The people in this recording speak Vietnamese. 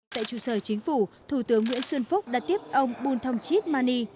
tại trụ sở chính phủ thủ tướng nguyễn xuân phúc đã tiếp ông bùn thông chít mani